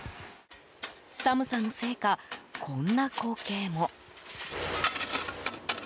寒さのせいかこんな光景も。